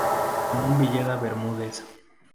Ramón Villeda Bermúdez.